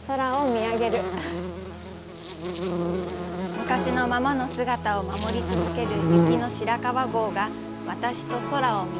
昔のままの姿を守り続ける雪の白川郷が、私と一緒に